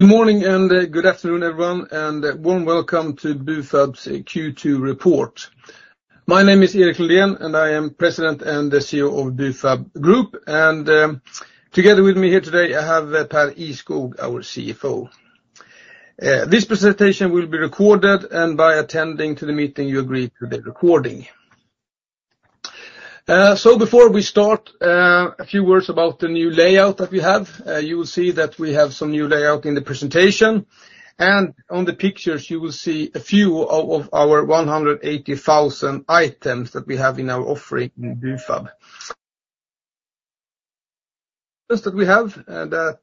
Good morning and good afternoon, everyone, and a warm welcome to Bufab's Q2 report. My name is Erik Lundén, and I am President and CEO of Bufab Group. Together with me here today, I have Pär Ihrskog, our CFO. This presentation will be recorded, and by attending the meeting, you agree to the recording. Before we start, a few words about the new layout that we have. You will see that we have some new layout in the presentation. On the pictures, you will see a few of our 180,000 items that we have in our offering in Bufab. Just that we have that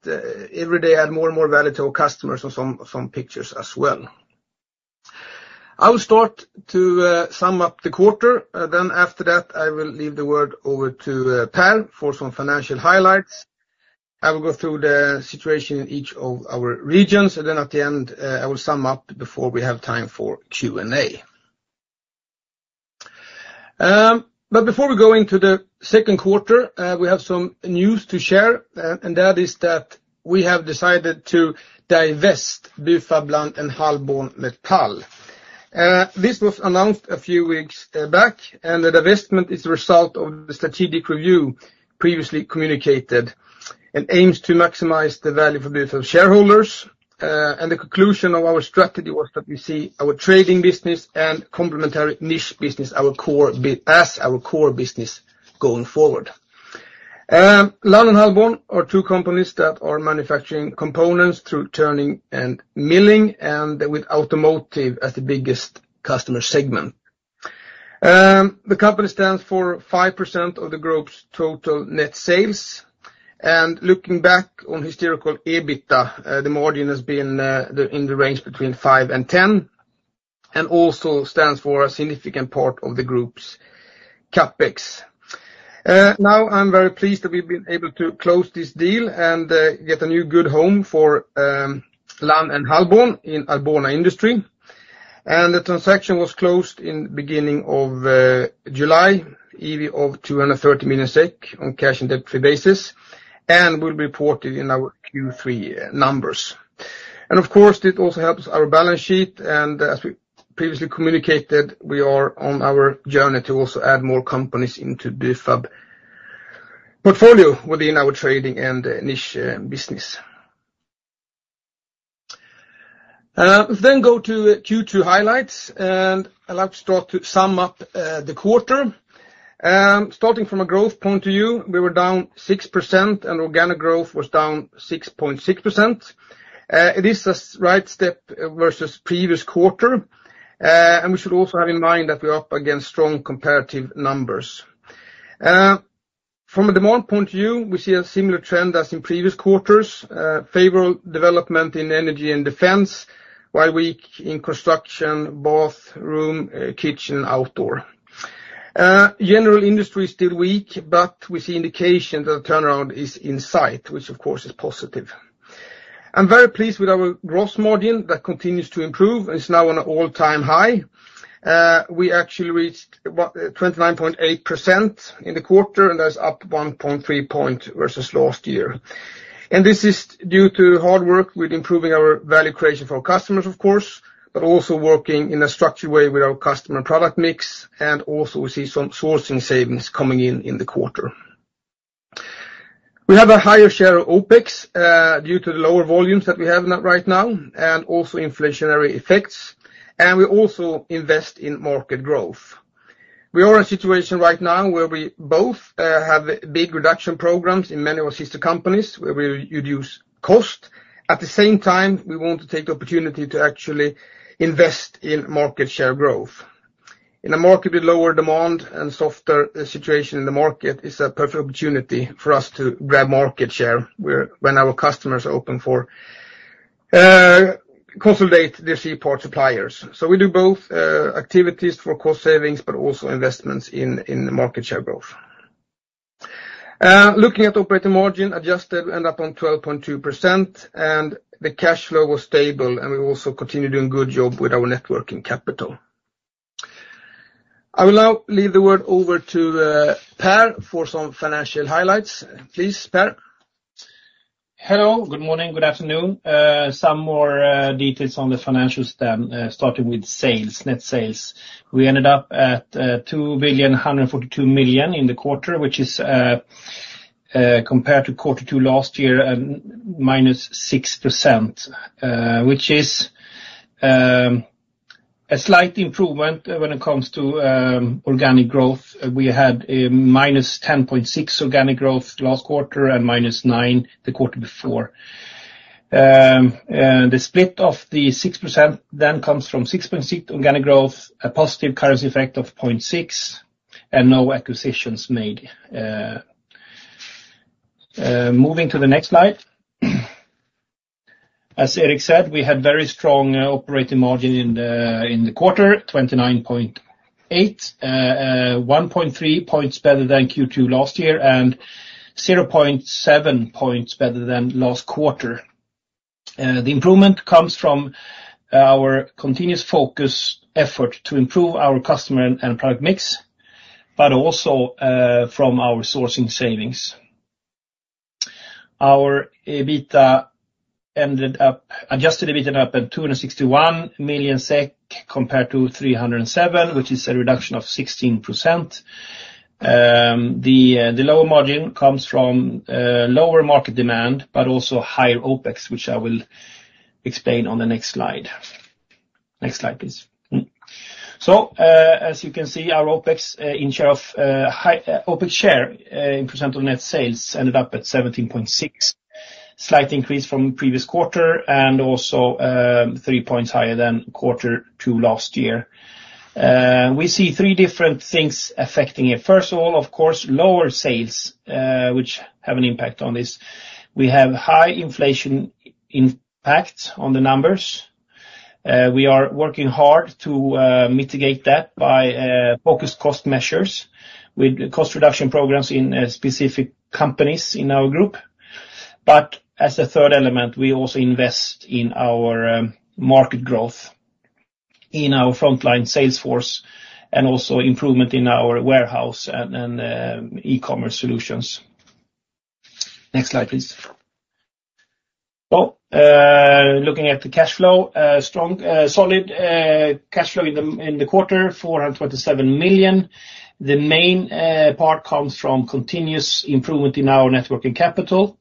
every day adds more and more value to our customers on some pictures as well. I will start to sum up the quarter. After that, I will leave the word over to Pär for some financial highlights. I will go through the situation in each of our regions, and then at the end, I will sum up before we have time for Q&A. But before we go into the Q2, we have some news to share, and that is that we have decided to divest Bufab Lann and Halborn Metal. This was announced a few weeks back, and the divestment is the result of the strategic review previously communicated and aims to maximize the value for Bufab's shareholders. The conclusion of our strategy was that we see our trading business and complementary niche business as our core business going forward. Lann & Hallborn are two companies that are manufacturing components through turning and milling, and with automotive as the biggest customer segment. The company stands for 5% of the group's total net sales. Looking back on historical EBITDA, the margin has been in the range between 5%-10%, and also stands for a significant part of the group's CapEx. Now I'm very pleased that we've been able to close this deal and get a new good home for Lann & Hallborn in Arbona. The transaction was closed in the beginning of July, EV of 230 million SEK on cash and debt-free basis, and will be reported in our Q3 numbers. Of course, it also helps our balance sheet. As we previously communicated, we are on our journey to also add more companies into Bufab's portfolio within our trading and niche business. We'll then go to Q2 highlights, and I'd like to start to sum up the quarter. Starting from a growth point of view, we were down 6%, and organic growth was down 6.6%. It is a right step versus the previous quarter. We should also have in mind that we are up against strong comparative numbers. From a demand point of view, we see a similar trend as in previous quarters: favorable development in energy and defense, while weak in construction, bathroom, kitchen, and outdoor. General industry is still weak, but we see indications that the turnaround is in sight, which of course is positive. I'm very pleased with our gross margin that continues to improve and is now on an all-time high. We actually reached 29.8% in the quarter, and that is up 1.3 points versus last year. This is due to hard work with improving our value creation for our customers, of course, but also working in a structured way with our customer product mix. Also we see some sourcing savings coming in in the quarter. We have a higher share of OPEX due to the lower volumes that we have right now and also inflationary effects. We also invest in market growth. We are in a situation right now where we both have big reduction programs in many of our sister companies where we reduce cost. At the same time, we want to take the opportunity to actually invest in market share growth. In a market with lower demand and a softer situation in the market, it's a perfect opportunity for us to grab market share when our customers are open for consolidating their C-parts suppliers. So we do both activities for cost savings, but also investments in market share growth. Looking at operating margin, adjusted, we end up on 12.2%, and the cash flow was stable, and we also continue to do a good job with our net working capital. I will now leave the word over to Pär for some financial highlights. Please, Pär. Hello, good morning, good afternoon. Some more details on the financials then, starting with sales, net sales. We ended up at 2,142 million in the quarter, which is compared to quarter two last year, -6%, which is a slight improvement when it comes to organic growth. We had -10.6% organic growth last quarter and -9% the quarter before. The split of the 6% then comes from 6.6% organic growth, a positive currency effect of 0.6%, and no acquisitions made. Moving to the next slide. As Erik said, we had very strong operating margin in the quarter, 29.8%, 1.3 points better than Q2 last year, and 0.7 points better than last quarter. The improvement comes from our continuous focus effort to improve our customer and product mix, but also from our sourcing savings. Our adjusted EBITDA up at 261 million SEK compared to 307 million, which is a reduction of 16%. The lower margin comes from lower market demand, but also higher OPEX, which I will explain on the next slide. Next slide, please. So as you can see, our OPEX in share of OPEX share in percent of net sales ended up at 17.6%, slight increase from previous quarter, and also three points higher than quarter two last year. We see three different things affecting it. First of all, of course, lower sales, which have an impact on this. We have high inflation impact on the numbers. We are working hard to mitigate that by focused cost measures with cost reduction programs in specific companies in our group. But as a third element, we also invest in our market growth, in our frontline sales force, and also improvement in our warehouse and e-commerce solutions. Next slide, please. Well, looking at the cash flow, solid cash flow in the quarter, 427 million. The main part comes from continuous improvement in our net working capital,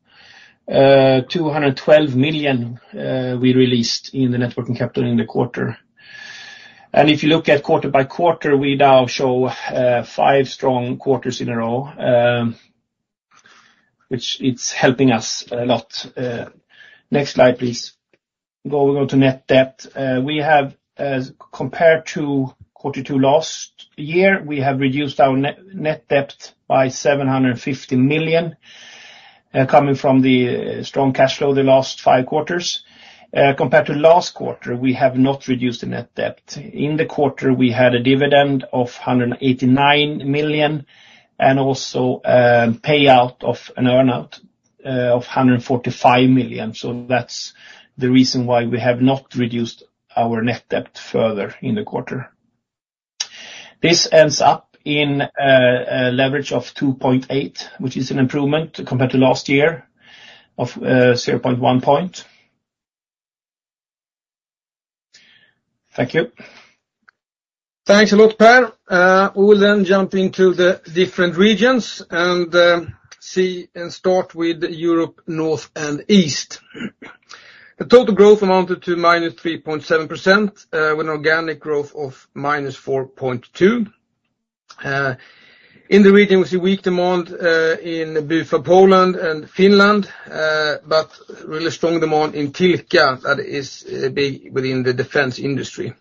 212 million we released in the net working capital in the quarter. And if you look at quarter by quarter, we now show five strong quarters in a row, which is helping us a lot. Next slide, please. Going on to net debt, we have compared to quarter two last year, we have reduced our net debt by 750 million, coming from the strong cash flow the last five quarters. Compared to last quarter, we have not reduced the net debt. In the quarter, we had a dividend of 189 million and also a payout of an earnout of 145 million. So that's the reason why we have not reduced our net debt further in the quarter. This ends up in a leverage of 2.8, which is an improvement compared to last year of 0.1 point. Thank you. Thanks a lot, Pär. We will then jump into the different regions and start with Europe, North, and East. The total growth amounted to -3.7% with an organic growth of -4.2%. In the region, we see weak demand in Bufab Poland and Finland, but really strong demand in Tilka, that is big within the defense industry.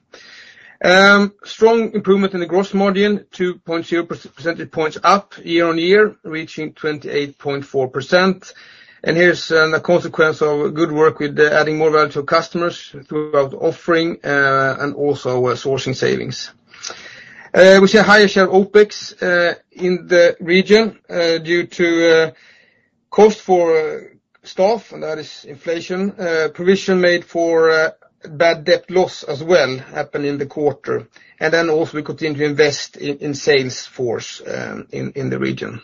Strong improvement in the gross margin, 2.0 percentage points up year-on-year, reaching 28.4%. And here's a consequence of good work with adding more value to customers throughout offering and also sourcing savings. We see a higher share of OPEX in the region due to cost for staff, and that is inflation. Provision made for bad debt loss as well happened in the quarter. And then also we continue to invest in sales force in the region.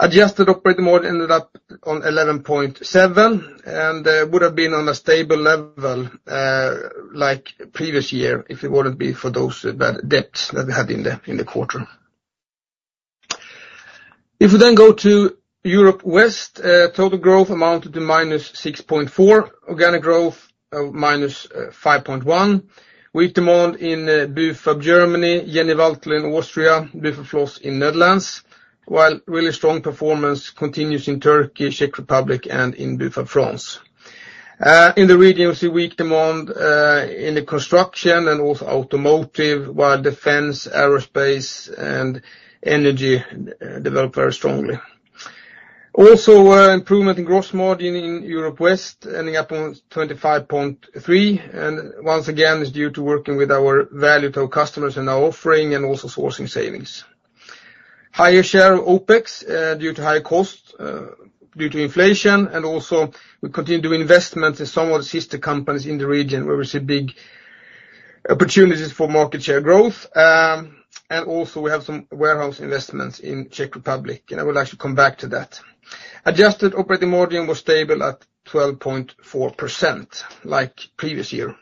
Adjusted operating margin ended up on 11.7 and would have been on a stable level like previous year if it wouldn't be for those bad debts that we had in the quarter. If we then go to Europe West, total growth amounted to -6.4, organic growth of -5.1. Weak demand in Bufab Germany, Jenny Waltle in Austria, Bufab Flos in Netherlands, while really strong performance continues in Turkey, Czech Republic, and in Bufab France. In the region, we see weak demand in construction and also automotive, while defense, aerospace, and energy develop very strongly. Also improvement in gross margin in Europe West ending up on 25.3, and once again, it's due to working with our value to our customers and our offering and also sourcing savings. Higher share of OPEX due to high cost, due to inflation, and also we continue to do investments in some of the sister companies in the region where we see big opportunities for market share growth. Also we have some warehouse investments in Czech Republic, and I would like to come back to that. Adjusted operating margin was stable at 12.4%, like previous year.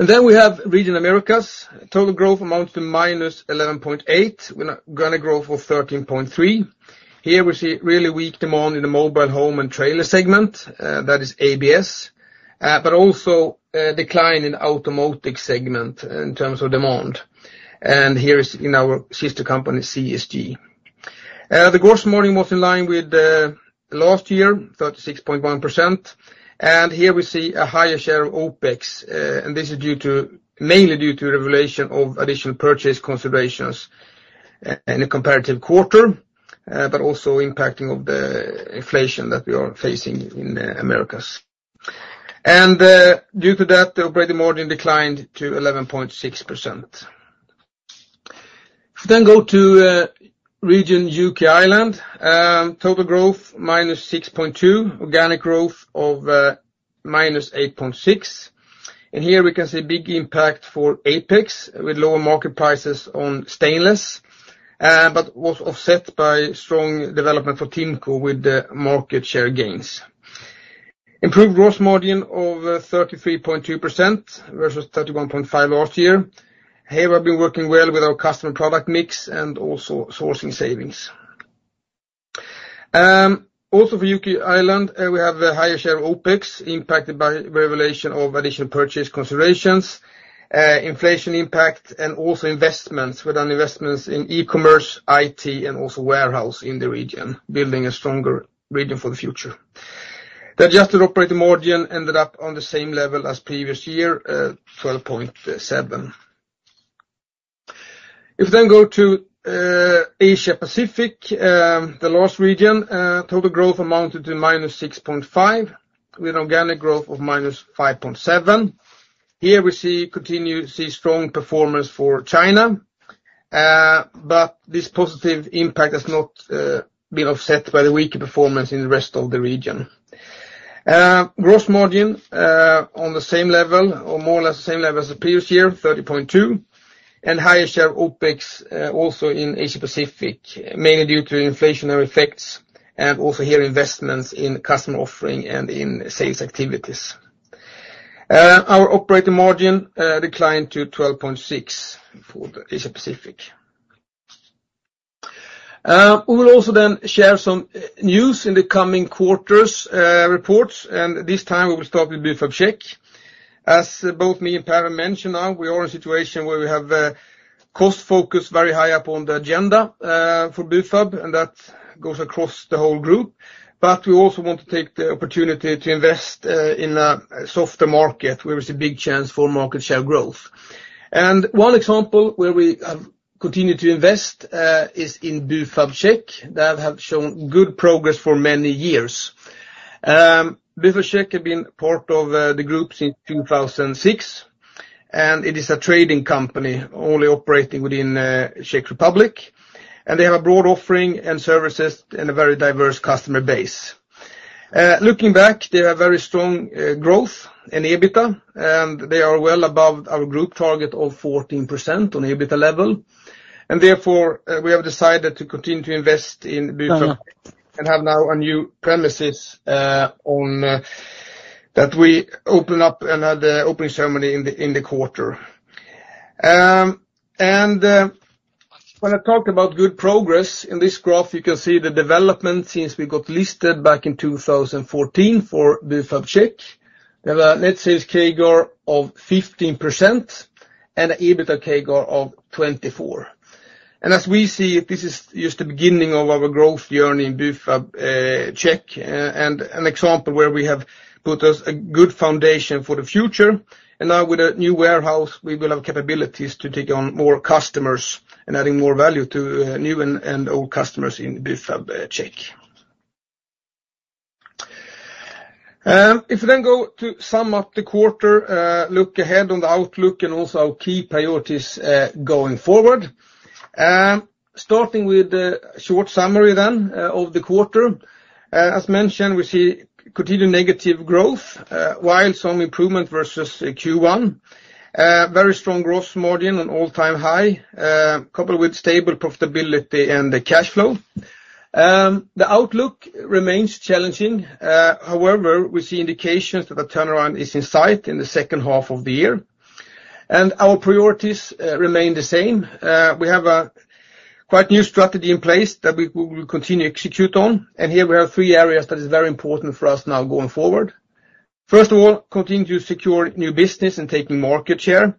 Then we have Region Americas. Total growth amounts to -11.8% with an organic growth of 13.3%. Here we see really weak demand in the mobile home and trailer segment, that is RVs, but also a decline in automotive segment in terms of demand. And here is in our sister company CSG. The gross margin was in line with last year, 36.1%. Here we see a higher share of OPEX, and this is mainly due to revaluation of additional purchase considerations in a comparative quarter, but also impact of the inflation that we are facing in the Americas. Due to that, the operating margin declined to 11.6%. If we then go to Region UK and Ireland, total growth -6.2%, organic growth of -8.6%. And here we can see a big impact for OPEX with lower market prices on stainless, but was offset by strong development for TIMCO with the market share gains. Improved gross margin of 33.2% versus 31.5% last year. Here we've been working well with our customer product mix and also sourcing savings. Also for UK and Ireland, we have a higher share of OPEX impacted by realization of additional purchase considerations, inflation impact, and also investments with investments in e-commerce, IT, and also warehouse in the region, building a stronger region for the future. The adjusted operating margin ended up on the same level as previous year, 12.7%. If we then go to Asia Pacific, the last region, total growth amounted to -6.5% with an organic growth of -5.7%. Here we continue to see strong performance for China, but this positive impact has not been offset by the weaker performance in the rest of the region. Gross margin on the same level or more or less the same level as the previous year, 30.2%, and higher share of OPEX also in Asia Pacific, mainly due to inflationary effects and also here investments in customer offering and in sales activities. Our operating margin declined to 12.6% for Asia Pacific. We will also then share some news in the coming quarters reports, and this time we will start with Bufab Czech. As both me and Pär mentioned now, we are in a situation where we have cost focus very high up on the agenda for Bufab, and that goes across the whole group. But we also want to take the opportunity to invest in a softer market where we see big chance for market share growth. And one example where we have continued to invest is in Bufab Czech, that have shown good progress for many years. Bufab Czech has been part of the group since 2006, and it is a trading company only operating within Czech Republic, and they have a broad offering and services and a very diverse customer base. Looking back, they have very strong growth in EBITDA, and they are well above our group target of 14% on EBITDA level. Therefore, we have decided to continue to invest in Bufab and have now a new premises that we open up another opening ceremony in the quarter. When I talk about good progress, in this graph, you can see the development since we got listed back in 2014 for Bufab Czech. We have a net sales CAGR of 15% and an EBITDA CAGR of 24%. As we see, this is just the beginning of our growth journey in Bufab Czech, and an example where we have put a good foundation for the future. Now with a new warehouse, we will have capabilities to take on more customers and adding more value to new and old customers in Bufab Czech. If we then go to sum up the quarter, look ahead on the outlook and also our key priorities going forward. Starting with a short summary then of the quarter. As mentioned, we see continued negative growth, while some improvement versus Q1. Very strong gross margin on all-time high, coupled with stable profitability and the cash flow. The outlook remains challenging. However, we see indications that a turnaround is in sight in the second half of the year. Our priorities remain the same. We have a quite new strategy in place that we will continue to execute on. Here we have three areas that are very important for us now going forward. First of all, continue to secure new business and taking market share.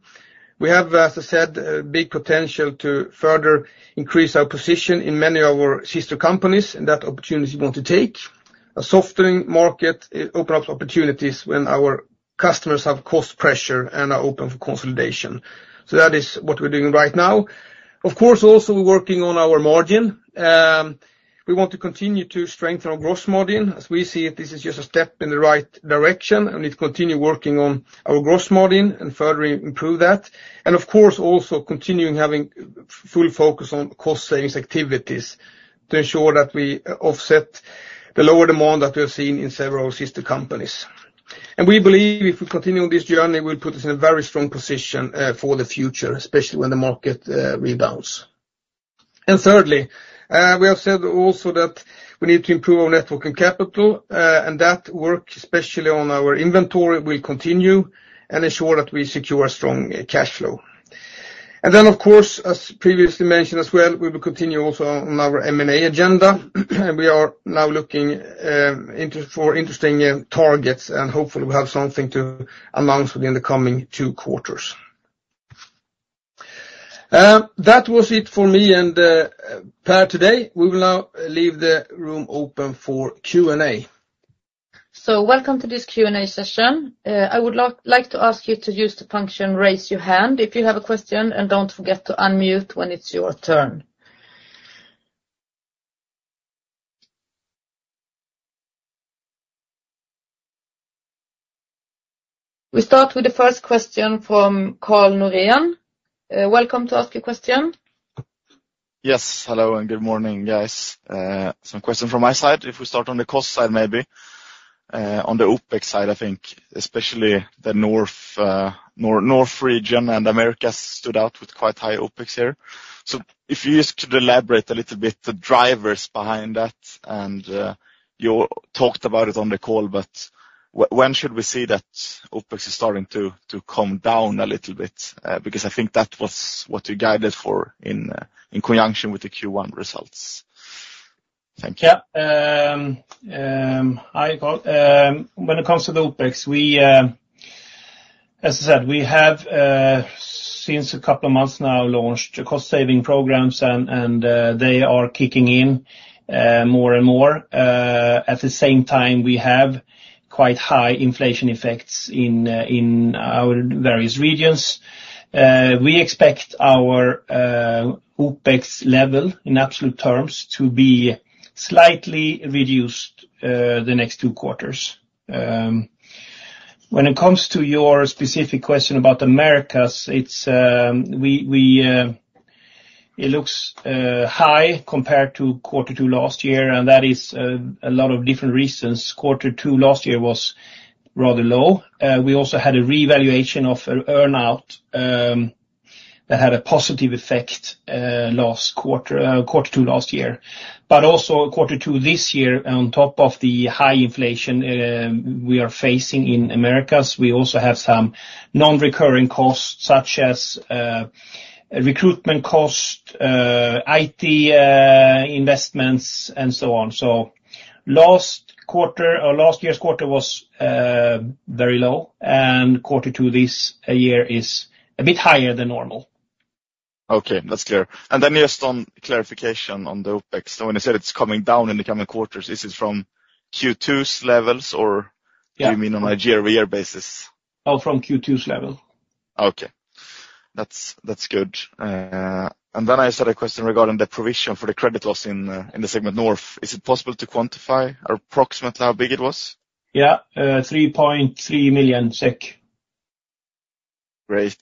We have, as I said, a big potential to further increase our position in many of our sister companies, and that opportunity we want to take. A softening market opens up opportunities when our customers have cost pressure and are open for consolidation. So that is what we're doing right now. Of course, also we're working on our margin. We want to continue to strengthen our gross margin. As we see it, this is just a step in the right direction, and we need to continue working on our gross margin and further improve that. And of course, also continuing having full focus on cost savings activities to ensure that we offset the lower demand that we have seen in several sister companies. And we believe if we continue on this journey, we'll put us in a very strong position for the future, especially when the market rebounds. And thirdly, we have said also that we need to improve our net working capital, and that work, especially on our inventory, will continue and ensure that we secure a strong cash flow. And then, of course, as previously mentioned as well, we will continue also on our M&A agenda, and we are now looking for interesting targets, and hopefully we have something to announce within the coming 2 quarters. That was it for me and Pär today. We will now leave the room open for Q&A. So welcome to this Q&A session. I would like to ask you to use the function, raise your hand if you have a question, and don't forget to unmute when it's your turn. We start with the first question from Karl Norén. Welcome to ask your question. Yes, hello and good morning, guys. Some questions from my side. If we start on the cost side, maybe on the OPEX side, I think, especially the North region and Americas stood out with quite high OPEX here. So if you could elaborate a little bit on the drivers behind that, and you talked about it on the call, but when should we see that OPEX is starting to come down a little bit? Because I think that was what you guided for in conjunction with the Q1 results. Thank you. Yeah. Hi, Karl. When it comes to the OPEX, as I said, we have since a couple of months now launched cost saving programs, and they are kicking in more and more. At the same time, we have quite high inflation effects in our various regions. We expect our OPEX level in absolute terms to be slightly reduced the next two quarters. When it comes to your specific question about Americas, it looks high compared to quarter two last year, and that is a lot of different reasons. Quarter two last year was rather low. We also had a revaluation of earnout that had a positive effect last quarter two last year. But also quarter two this year, on top of the high inflation we are facing in Americas, we also have some non-recurring costs such as recruitment cost, IT investments, and so on. Last quarter or last year's quarter was very low, and quarter two this year is a bit higher than normal. Okay, that's clear. And then just on clarification on the OPEX, when you said it's coming down in the coming quarters, is it from Q2's levels or do you mean on a year-by-year basis? Oh, from Q2's level. Okay. That's good. And then I just had a question regarding the provision for the credit loss in the North segment. Is it possible to quantify approximately how big it was? Yeah, 3.3 million SEK. Great.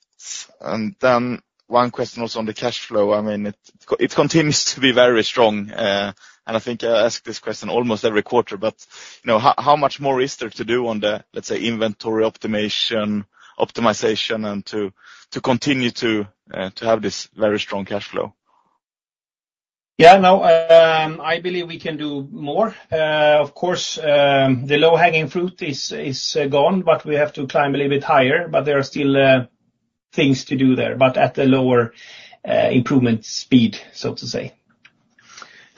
Then one question also on the cash flow. I mean, it continues to be very strong, and I think I ask this question almost every quarter, but how much more is there to do on the, let's say, inventory optimization and to continue to have this very strong cash flow? Yeah, no, I believe we can do more. Of course, the low-hanging fruit is gone, but we have to climb a little bit higher, but there are still things to do there, but at a lower improvement speed, so to say.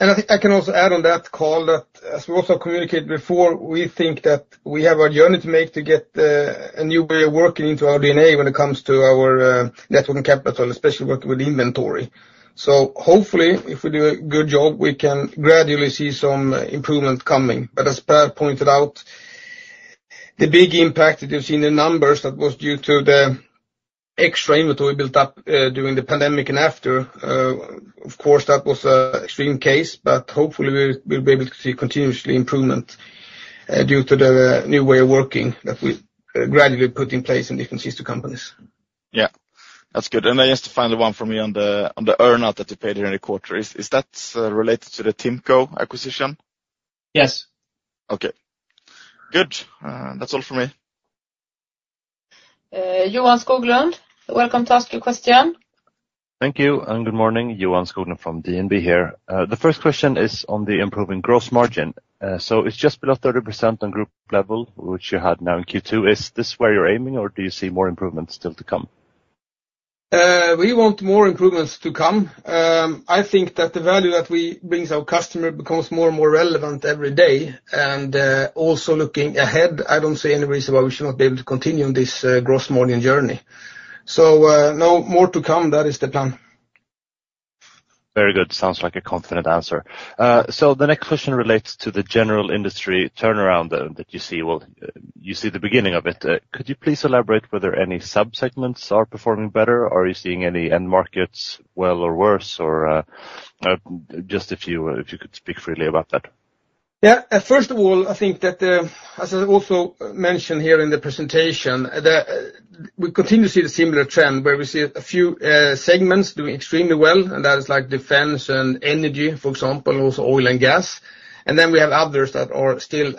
I can also add on that, Karl, that as we also communicated before, we think that we have a journey to make to get a new way of working into our DNA when it comes to our net working capital, especially working with inventory. So hopefully, if we do a good job, we can gradually see some improvement coming. But as Pär pointed out, the big impact that you've seen in the numbers, that was due to the extra inventory built up during the pandemic and after. Of course, that was an extreme case, but hopefully we'll be able to see continuous improvement due to the new way of working that we gradually put in place in different sister companies. Yeah, that's good. And then just to finally one from me on the earnout that you paid during the quarter. Is that related to the TIMCO acquisition? Yes. Okay. Good. That's all from me. Johan Skoglund, welcome to ask your question. Thank you and good morning. Johan Skoglund from DNB here. The first question is on the improving gross margin. So it's just below 30% on group level, which you had now in Q2. Is this where you're aiming, or do you see more improvements still to come? We want more improvements to come. I think that the value that we bring to our customer becomes more and more relevant every day. And also looking ahead, I don't see any reason why we should not be able to continue on this gross margin journey. So no more to come. That is the plan. Very good. Sounds like a confident answer. So the next question relates to the general industry turnaround that you see. Well, you see the beginning of it. Could you please elaborate whether any subsegments are performing better? Are you seeing any end markets well or worse? Or just if you could speak freely about that. Yeah. First of all, I think that, as I also mentioned here in the presentation, we continue to see the similar trend where we see a few segments doing extremely well, and that is like defense and energy, for example, also oil and gas. And then we have others that are still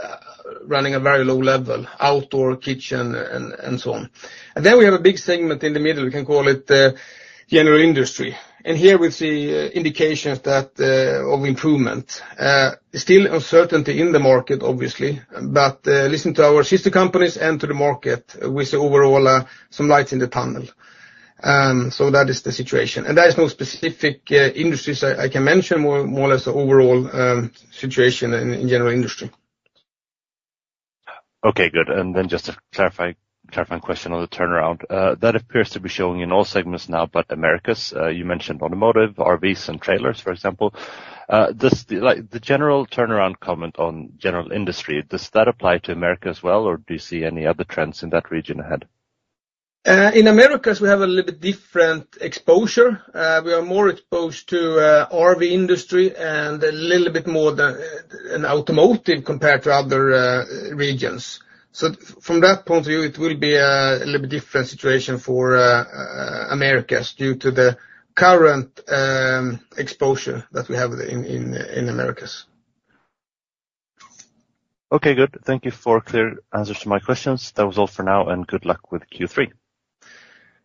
running at a very low level, outdoor, kitchen, and so on. And then we have a big segment in the middle. We can call it general industry. And here we see indications of improvement. Still uncertainty in the market, obviously, but listening to our sister companies and to the market, we see overall some lights in the tunnel. So that is the situation. And there is no specific industries I can mention, more or less the overall situation in general industry. Okay, good. And then just a clarifying question on the turnaround. That appears to be showing in all segments now, but Americas. You mentioned automotive, RVs, and trailers, for example. The general turnaround comment on general industry, does that apply to America as well, or do you see any other trends in that region ahead? In Americas, we have a little bit different exposure. We are more exposed to RV industry and a little bit more than automotive compared to other regions. So from that point of view, it will be a little bit different situation for Americas due to the current exposure that we have in Americas. Okay, good. Thank you for clear answers to my questions. That was all for now, and good luck with Q3.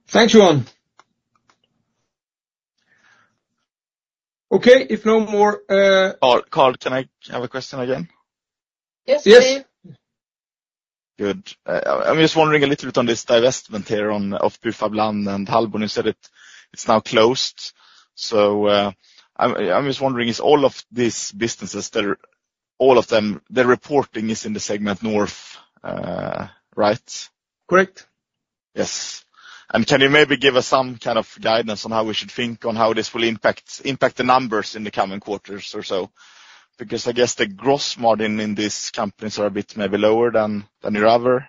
Thanks, Johan. Okay, if no more. Karl, can I have a question again? Yes, please. Good. I'm just wondering a little bit on this divestment here of Bufab Lann and Hallborn. You said it's now closed. So I'm just wondering, is all of these businesses, all of them, their reporting is in the segment north, right? Correct. Yes. And can you maybe give us some kind of guidance on how we should think on how this will impact the numbers in the coming quarters or so? Because I guess the gross margin in these companies are a bit maybe lower than your other.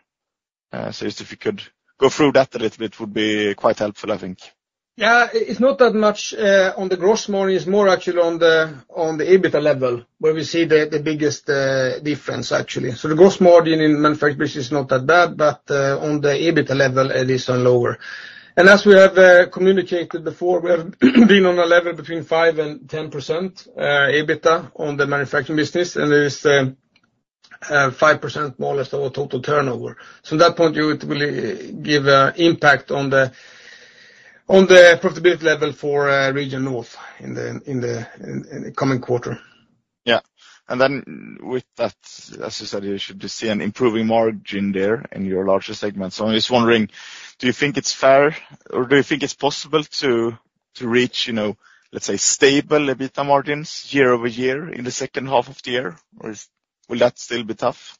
So if you could go through that a little bit, it would be quite helpful, I think. Yeah, it's not that much on the gross margin. It's more actually on the EBITDA level where we see the biggest difference, actually. So the gross margin in manufacturing business is not that bad, but on the EBITDA level, it is lower. And as we have communicated before, we have been on a level between 5%-10% EBITDA on the manufacturing business, and it is 5% more or less of our total turnover. So from that point of view, it will give an impact on the profitability level for Region North in the coming quarter. Yeah. And then with that, as I said, you should see an improving margin there in your larger segments. So I'm just wondering, do you think it's fair, or do you think it's possible to reach, let's say, stable EBITDA margins year-over-year in the second half of the year? Or will that still be tough?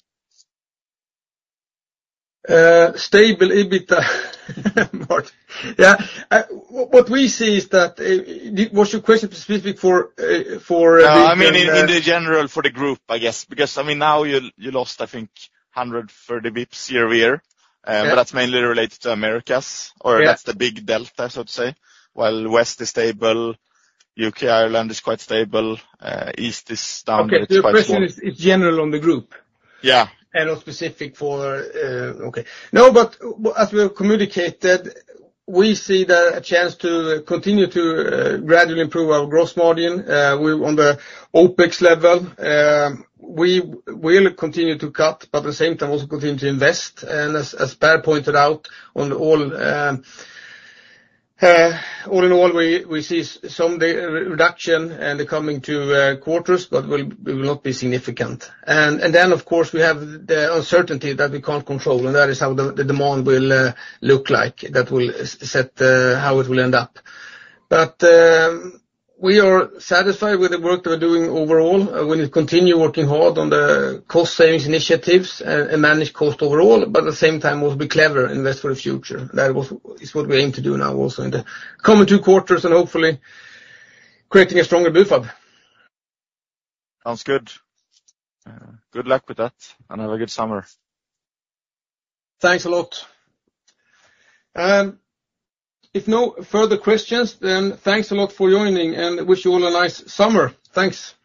Stable EBITDA margin. Yeah. What we see is that. Was your question specific for the? I mean, in general for the group, I guess. Because I mean, now you lost, I think, 130 basis points year-over-year. But that's mainly related to Americas, or that's the big delta, so to say. While West is stable, UK, Ireland is quite stable. East is down. Okay, the question is general on the group? Yeah. No, but as we have communicated, we see a chance to continue to gradually improve our gross margin on the OPEX level. We will continue to cut, but at the same time, also continue to invest. And as Pär pointed out, all in all, we see some reduction in the coming two quarters, but it will not be significant. And then, of course, we have the uncertainty that we can't control, and that is how the demand will look like. That will set how it will end up. But we are satisfied with the work that we're doing overall. We need to continue working hard on the cost savings initiatives and manage cost overall, but at the same time, also be clever, invest for the future. That is what we aim to do now also in the coming two quarters, and hopefully creating a stronger Bufab. Sounds good. Good luck with that, and have a good summer. Thanks a lot. If no further questions, then thanks a lot for joining, and wish you all a nice summer. Thanks.